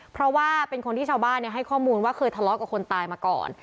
เพราะว่าเป็นคนที่ชาวบ้านให้ข้อมูลว่าเคยทะเลาะกับคนตายมาก่อน